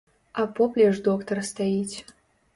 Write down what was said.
А поплеч доктар стаіць.